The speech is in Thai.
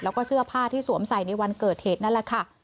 แล้วก็เสื้อผ้าที่สวมใส่ในวันเกิดเหตุนั่นแหละค่ะ